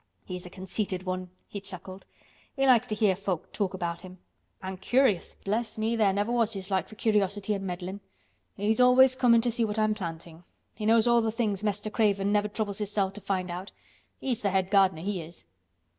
"He's a conceited one," he chuckled. "He likes to hear folk talk about him. An' curious—bless me, there never was his like for curiosity an' meddlin'. He's always comin' to see what I'm plantin'. He knows all th' things Mester Craven never troubles hissel' to find out. He's th' head gardener, he is."